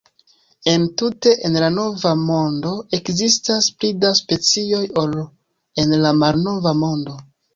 Entute en la Nova Mondo ekzistas pli da specioj ol en la Malnova Mondo.